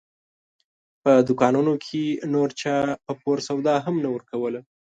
په دوکانونو کې نور چا په پور سودا هم نه ورکوله.